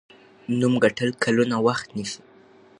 نوم ګټل کلونه وخت نیسي.